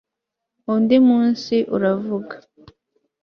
Undi munsi uravuga